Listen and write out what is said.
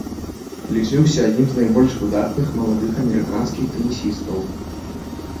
Лічыўся адным з найбольш выдатных маладых амерыканскіх тэнісістаў.